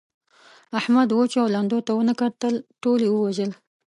احمد وچو او لندو ته و نه کتل؛ ټول يې ووژل.